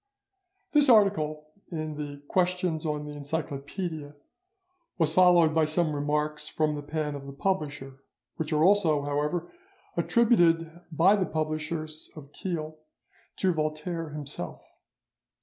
This article in the 'Questions on the Encyclopaedia' was followed by some remarks from the pen of the publisher, which are also, however, attributed by the publishers of Kelh to Voltaire himself.